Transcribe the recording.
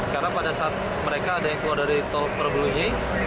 karena pada saat mereka ada yang keluar dari tol perbelunya